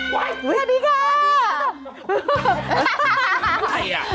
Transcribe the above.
อุ๊ยสวัสดีค่ะ